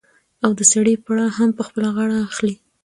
او د سړي پړه هم په خپله غاړه اخلي.